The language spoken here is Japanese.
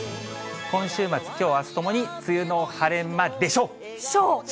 今週末、きょうあすともに梅雨の晴れ間でしょ。